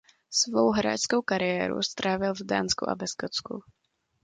Svou hráčskou kariéru strávil v Dánsku a ve Skotsku.